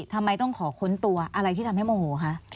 ทำไมต้องขอค้นตัวอะไรที่ทำให้โมโหคะ